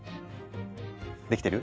できてる？